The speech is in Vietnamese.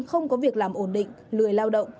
không có việc làm ổn định lười lao động